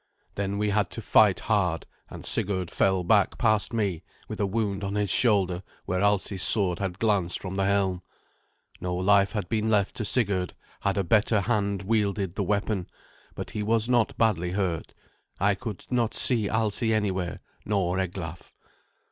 Then we had to fight hard, and Sigurd fell back past me, with a wound on his shoulder where Alsi's sword had glanced from the helm. No life had been left to Sigurd had a better hand wielded the weapon; but he was not badly hurt. I could not see Alsi anywhere, nor Eglaf.